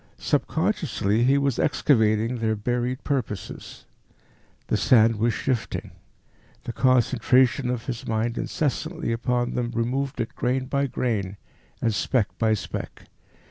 Subconsciously he was excavating their buried purposes. The sand was shifting. The concentration of his mind incessantly upon them removed it grain by grain and speck by speck.